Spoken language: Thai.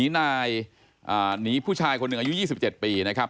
หนีนายหนีผู้ชายคนหนึ่งอายุ๒๗ปีนะครับ